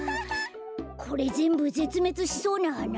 これぜんぶぜつめつしそうなはな？